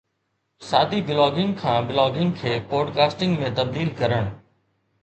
سادي بلاگنگ کان بلاگنگ کي پوڊ ڪاسٽنگ ۾ تبديل ڪرڻ